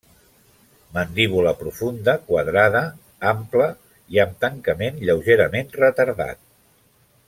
Mandíbula profunda, quadrada, ampla i amb tancament lleugerament retardat.